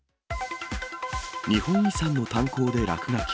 日本遺産の炭鉱で落書き。